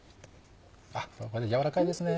これ軟らかいですね。